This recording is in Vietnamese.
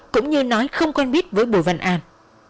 cũng như nói không quen biết với bùi văn an